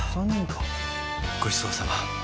ごちそうさま。